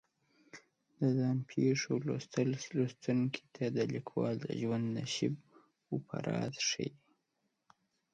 د ځان پېښو لوستل لوستونکي ته د لیکوال د ژوند نشیب و فراز ښیي.